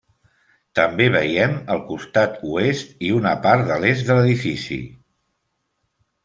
També veiem el costat oest i un apart de l'est de l'edifici.